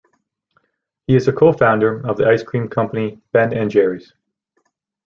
He is a co-founder of the ice cream company Ben and Jerry's.